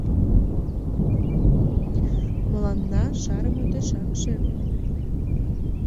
Мыланна шарыме тӧшакше